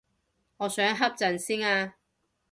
我想瞌陣先啊